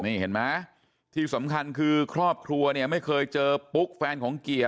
นี่เห็นไหมที่สำคัญคือครอบครัวเนี่ยไม่เคยเจอปุ๊กแฟนของเกียร์